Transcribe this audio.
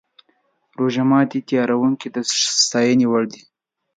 روژه ماتي تیاروونکي د ستاینې وړ دي.